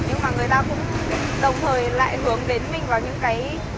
nhưng mà người ta cũng đồng thời lại hướng đến mình vào những cái